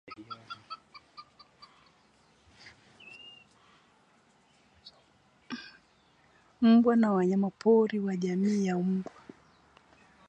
mbwa na wanyamapori wa jamii ya mbwa